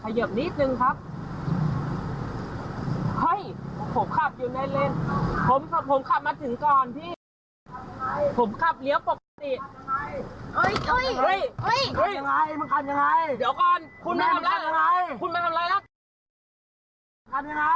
เหาน่าคุณหน่อยล่ะครับคุณท่ายใครคะ